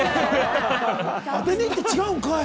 当てにいって、違うんかい！